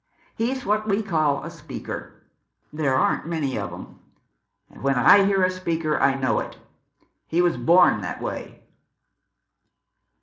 He's what we call a speaker. There aren't many of 'em. When I hear a speaker I know it. He was born that way."